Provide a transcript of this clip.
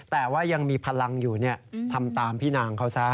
แต่ว่ายังมีพลังอยู่ทำตามพี่นางเขาซะ